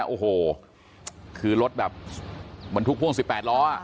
โอ้โหคือรถแบบบรรทุกพ่วง๑๘ล้อ